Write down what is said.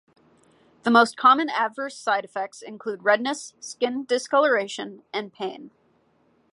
The most common adverse side effects include redness, skin discoloration and pain.